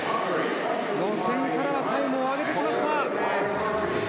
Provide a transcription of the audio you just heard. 予選からはタイムを上げてきました。